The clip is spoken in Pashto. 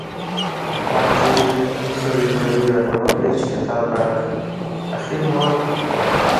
احمد ډېرې خړۍ پړۍ راته وکړې چې کتاب راکړه؛ اخېر مې ورکړ.